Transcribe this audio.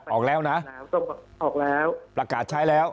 ออกแล้วนะออกแล้วประกาศใช้แล้ว